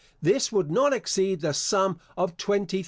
This would not exceed the sum of L20,000.